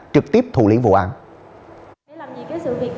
trực tiếp thủ lý vụ ảnh